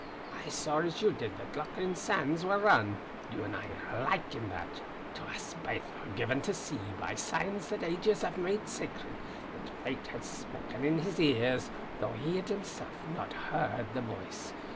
I saw, as you did, that Lauchlane's sands were run. You and I are alike in that. To us baith was given to see, by signs that ages have made sacred, that Fate had spoken in his ears though he had himself not heard the Voice.